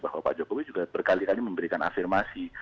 bahwa pak jokowi juga berkali kali memberikan afirmasi